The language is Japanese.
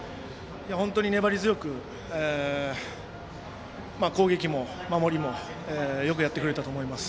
本当に粘り強く攻撃も、守りもよくやってくれたと思います。